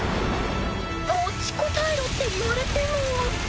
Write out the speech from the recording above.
持ちこたえろって言われても。